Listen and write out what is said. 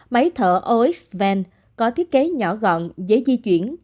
máy thở oxven có thiết kế nhỏ gọn dễ di chuyển